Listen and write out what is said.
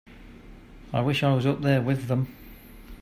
I wish I was up there with them.